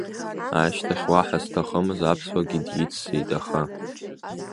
Ашьҭахь уаҳа зҭахымыз аԥсуагьы диццеит аха…